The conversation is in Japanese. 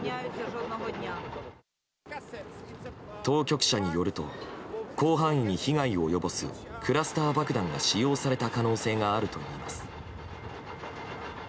当局者によると広範囲に被害を及ぼすクラスター爆弾が使用された可能性があるといいます。